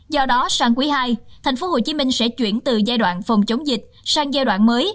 do đó sang quý ii tp hcm sẽ chuyển từ giai đoạn phòng chống dịch sang giai đoạn mới